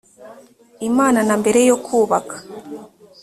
imana na mbere yo kubaka